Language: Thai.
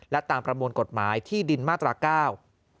และตามประมวลกฎหมายที่ดินมาตราเก้า